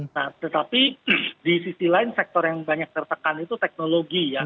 nah tetapi di sisi lain sektor yang banyak tertekan itu teknologi ya